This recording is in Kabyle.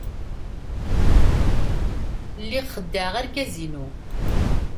Lliɣ xeddɛeɣ argaz-inu.